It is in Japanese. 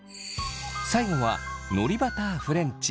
最後はのりバターフレンチ。